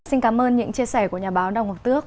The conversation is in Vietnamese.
xin cảm ơn những chia sẻ của nhà báo đào ngọc tước